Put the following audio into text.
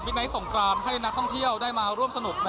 ไนท์สงกรานให้นักท่องเที่ยวได้มาร่วมสนุก